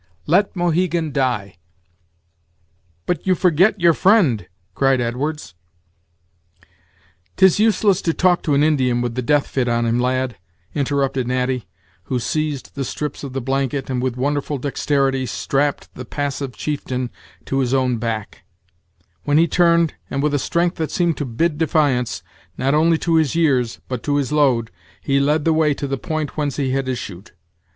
Let Mohegan die." "But you forget your friend," cried Edwards, "'Tis useless to talk to an Indian with the death fit on him, lad," interrupted Natty, who seized the strips of the blanket, and with wonderful dexterity strapped the passive chieftain to his own back; when he turned, and with a strength that seemed to bid defiance, not only to his years, but to his load, he led the way to the point whence he had issued.